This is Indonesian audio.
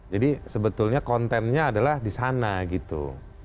jadi sebetulnya kontennya adalah di sana gitu